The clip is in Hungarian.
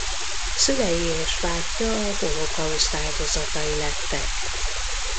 Szülei és bátyja a holokauszt áldozatai lettek.